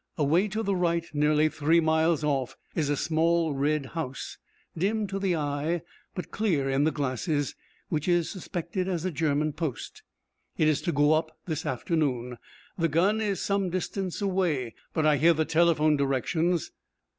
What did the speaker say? Away to the right, nearly three miles off, is a small red house, dim to the eye but clear in the glasses, which is suspected as a German post. It is to go up this afternoon. The gun is some distance away, but I hear the telephone directions.